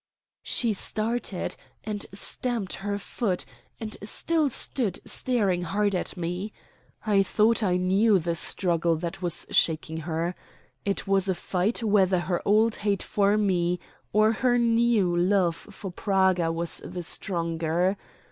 She started, and stamped her foot, and still stood staring hard at me. I thought I knew the struggle that was shaking her. It was a fight whether her old hate for me or her new love for Praga was the stronger.